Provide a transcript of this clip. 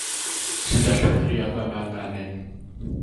Ti'n gallu 'i ffrio fe mewn menyn.